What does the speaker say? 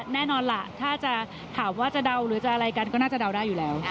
แน่นอนล่ะถ้าจะถามว่าจะเดาหรือจะอะไรกันก็น่าจะเดาได้อยู่แล้ว